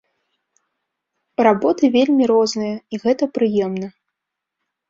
Работы вельмі розныя, і гэта прыемна.